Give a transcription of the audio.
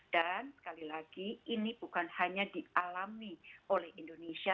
dan sekali lagi ini bukan hanya dialami oleh indonesia